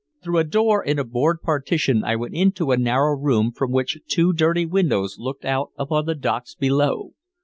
Through a door in a board partition I went into a narrow room from which two dirty windows looked out upon the docks below.